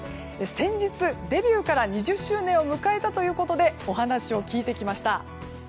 先日デビューから２０周年を迎えたということでお話を聞いてきました。